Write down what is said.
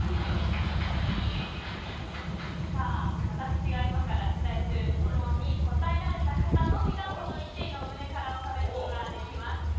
私が今から出題する質問に答えられた方のみが１位のむねからを食べることができます。